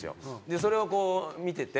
それをこう見てて。